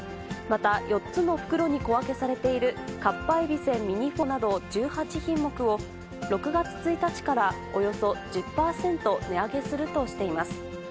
また、４つの袋に小分けされているかっぱえびせんミニ４など１８品目を、６月１日からおよそ１０％値上げするとしています。